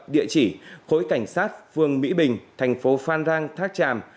địa chỉ khối cảnh sát phương mỹ bình thành phố phan rang tháp tràm